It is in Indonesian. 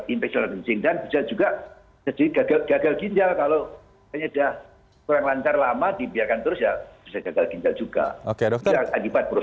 ini juga dan juga gagal gagal gingkal kalau itu udah kurang lancar lama dibiarkan terus ya juga